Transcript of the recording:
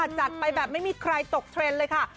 จัดไปแบบไม่มีใครตกเทรนด์เลยค่ะ